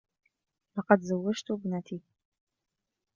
لقد زوجت إبنتي.